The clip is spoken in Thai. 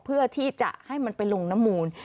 เพื่อที่จะให้มันไปลงน้ำมูล